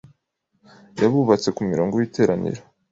Yabubatse ku murongo w'iteraniro.